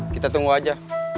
kita tunggu aja